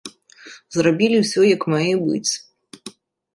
Зрабілі ўсё як мае быць.